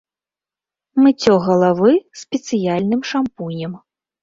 Мыццё галавы спецыяльным шампунем.